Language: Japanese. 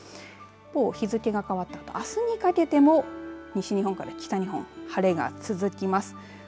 日付が変わったあとあすにかけても西日本から北日本晴れが続きます。